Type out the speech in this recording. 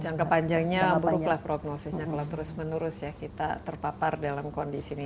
jangka panjangnya buruk lah prognosisnya kalau terus menurus ya kita terpapar dalam kondisi ini